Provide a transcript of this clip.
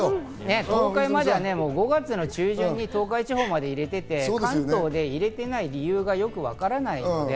東海までは５月の中旬に入れていて、関東で入れてない理由がよくわからないので。